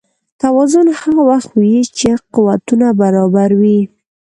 توازن هغه وخت وي چې قوتونه برابر وي.